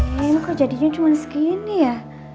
ya emang kok jadinya cuma segini ya